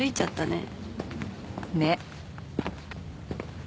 ねっ。